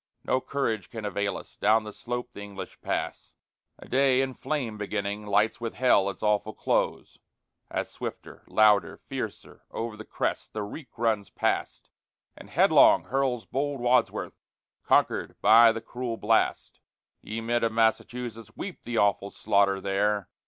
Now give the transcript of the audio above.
No courage can avail us, down the slope the English pass A day in flame beginning lights with hell its awful close, As swifter, louder, fiercer, o'er the crest the reek runs past And headlong hurls bold Wadsworth, conquered by the cruel blast. Ye men of Massachusetts, weep the awful slaughter there!